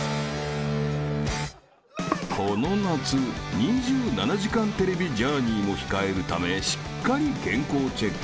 ［この夏『２７時間テレビ』ジャーニーも控えるためしっかり健康チェック］